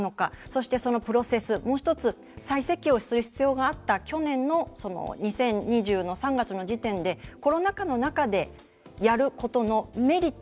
そして、そのプロセスもう１つ再設計する必要があった去年の２０２０の３月の時点でコロナ禍の中でやることのメリット